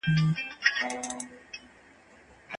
ویاړل باید یوازې د خدای لپاره وي.